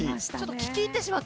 聞き入ってしまって。